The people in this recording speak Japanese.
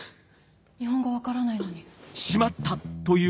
日本語分からないのに。